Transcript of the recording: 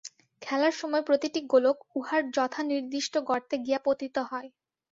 খেলার সময় প্রতিটি গোলক উহার যথানির্দিষ্ট গর্তে গিয়া পতিত হয়।